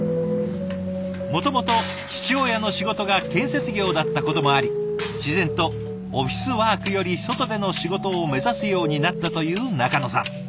もともと父親の仕事が建設業だったこともあり自然とオフィスワークより外での仕事を目指すようになったという仲野さん。